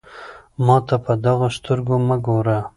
ما ته په دغو سترګو مه ګوره.